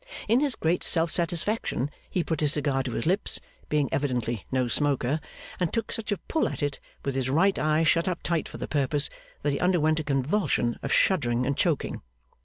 In his great self satisfaction he put his cigar to his lips (being evidently no smoker), and took such a pull at it, with his right eye shut up tight for the purpose, that he underwent a convulsion of shuddering and choking.